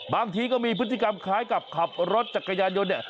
บางทีก็มีพฤติกรรมคล้ายกับขับรถจักรยานยนต์เนี่ย